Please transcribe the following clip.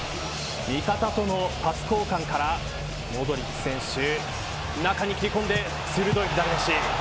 味方とのパス交換からモドリッチ選手中に切り込んで鋭い左足。